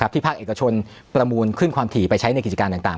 ภาคเอกชนประมูลขึ้นความถี่ไปใช้ในกิจการต่าง